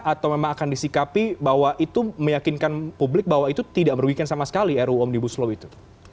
atau memang akan disikapi bahwa itu meyakinkan publik bahwa itu tidak merugikan sama sekali ru omnibus law itu